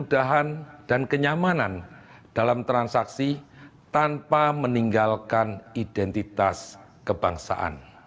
kemudahan dan kenyamanan dalam transaksi tanpa meninggalkan identitas kebangsaan